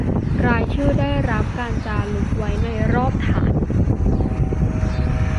รายชื่อได้รับการจารึกไว้รอบฐาน